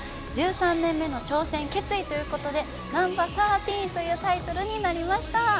１３年目の挑戦、決意ということで「ＮＭＢ１３」というタイトルになりました。